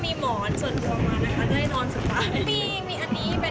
นี่ตั้งใจจะอยู่กี่วัน